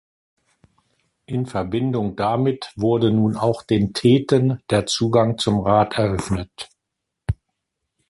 In Verbindung damit wurde nun auch den Theten der Zugang zum Rat eröffnet.